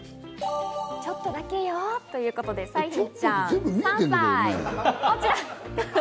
ちょっとだけよ、ということで、彩浜ちゃん、３歳。